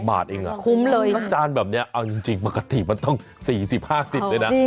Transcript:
บาทเองอ่ะคุ้มเลยแล้วจานแบบนี้เอาจริงปกติมันต้อง๔๐๕๐เลยนะ